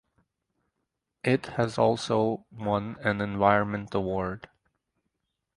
It has also won an environment award.